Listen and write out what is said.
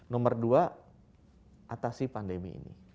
nomor dua atasi pandemi ini